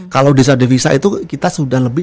kalau desa devisa itu kita sudah lebih